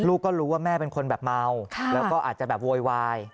ก็รู้ว่าแม่เป็นคนแบบเมาแล้วก็อาจจะแบบโวยวาย